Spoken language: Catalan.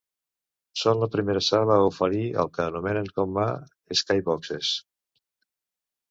Són la primera sala a oferir el que anomenen com a "SkyBoxes".